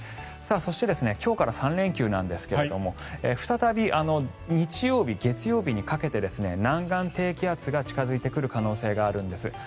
そして、今日から３連休なんですが再び日曜日、月曜日にかけて南岸低気圧が近付いてくる可能性があるんです。